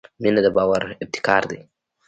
• مینه د باور ابتکار دی.